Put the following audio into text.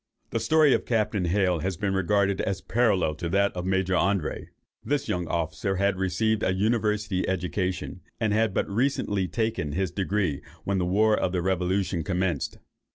The story of Captain Hale has been regarded as parallel to that of Major André. This young officer had received a university education, and had but recently taken his degree when the war of the revolution commenced.